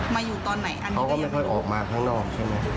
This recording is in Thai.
มาอยู่ตอนไหนอันนี้ก็ยังรู้เพราะไม่ค่อยออกมาข้างนอกใช่ไหม